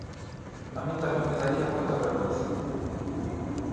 A min tamén me daría moita vergonza.